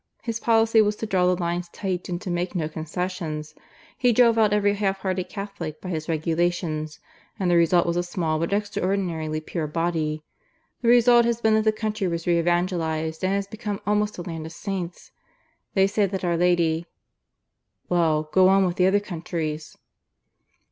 His policy was to draw the lines tight and to make no concessions. He drove out every half hearted Catholic by his regulations, and the result was a small but extraordinarily pure body. The result has been that the country was re evangelized, and has become almost a land of saints. They say that our Lady " "Well, go on with the other countries."